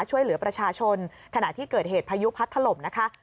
ช่วยเหลือประชาชนขณะที่เกิดเหตุพายุพัดถล่มนะคะ